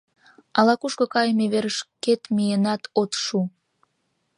Ала кушко кайыме верышкет миенат от шу?..